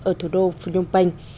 ở thủ đô phương nhung bành